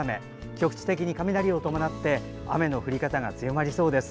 局地的に雷を伴って雨の降り方が強まりそうです。